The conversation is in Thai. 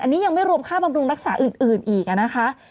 อันนี้ยังไม่รวมค่าบำรุงรักษาอื่นอีกนะคะ